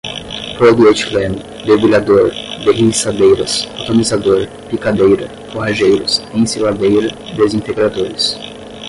polietileno, debulhador, derriçadeiras, atomizador, picadeira, forrageiros, ensiladeira, desintegradores